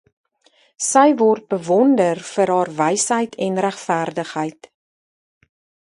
Sy word bewonder vir haar wysheid en regverdigheid.